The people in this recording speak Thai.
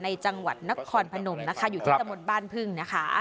เออจริงนะจริง